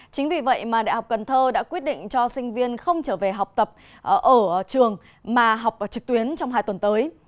chính vì vậy mà đại học cần thơ đã quyết định cho sinh viên không trở về học tập ở trường mà học trực tuyến trong hai tuần tới